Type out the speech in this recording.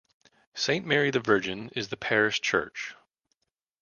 Saint Mary the Virgin is the parish church.